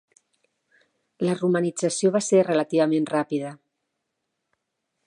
La romanització va ser relativament ràpida.